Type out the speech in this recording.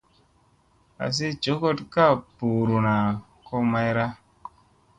Asi njogoɗ ga ɓuruna ko mayra.